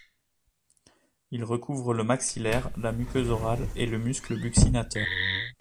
Il recouvre le maxillaire, la muqueuse orale et le muscle buccinateur.